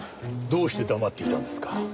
どうして黙っていたんですか？